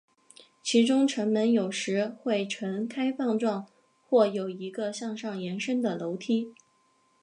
其中城门有时会呈开放状或有一个向上延伸的楼梯。